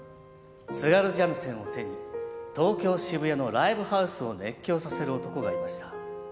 津軽三味線を手に東京・渋谷のライブハウスを熱狂させる男がいました。